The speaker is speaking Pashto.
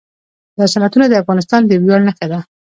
دا صنعتونه د افغانستان د ویاړ نښه ده.